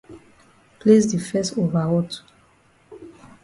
Place di fes over hot.